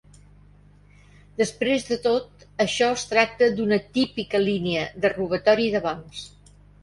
Després de tot això es tracta d'una típica línia de robatori de bancs.